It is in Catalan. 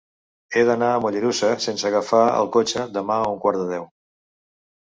He d'anar a Mollerussa sense agafar el cotxe demà a un quart de deu.